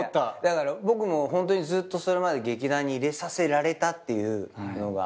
僕もずっとそれまで劇団に入れさせられたっていうのが。